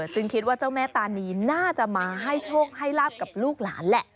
จึงคิดว่าเจ้าแม่ตานีน่าจะมาให้โชคให้ลาบกับลูกหลานแหละ